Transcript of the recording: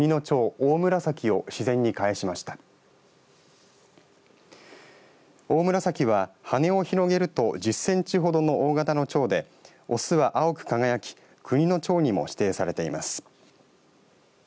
オオムラサキは羽を広げると１０センチほどの大型のチョウでオスは青く輝き国のチョウにも指定されています。